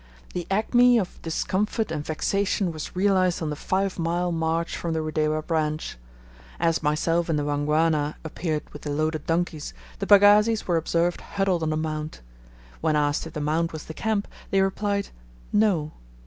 The acme of discomfort and vexation was realized on the five mile march from the Rudewa branch. As myself and the Wangwana appeared with the loaded donkeys, the pagazis were observed huddled on a mound. When asked if the mound was the camp, they replied "No."